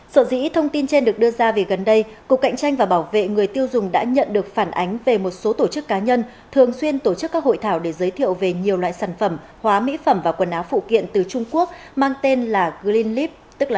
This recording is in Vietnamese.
sở dĩ thông tin trên được đưa ra vì gần đây cục cạnh tranh và bảo vệ người tiêu dùng đã nhận được phản ánh về một số tổ chức cá nhân thường xuyên tổ chức các hội thảo để giới thiệu về nhiều loại sản phẩm hóa mỹ phẩm và quần áo phụ kiện từ trung quốc mang tên là green lifep tức là